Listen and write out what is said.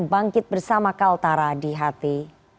bangkit bersama kaltara di hati